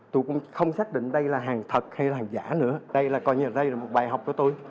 tôi cũng không xác định đây là hàng thật hay là hàng giả nữa đây là coi như là đây là một bài học của tôi